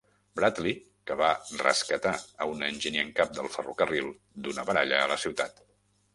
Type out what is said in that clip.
Bradley, que va rescatar a un enginyer en cap del ferrocarril d'una baralla a la ciutat.